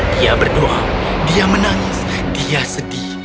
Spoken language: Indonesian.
dia berdoa dia menangis dia sedih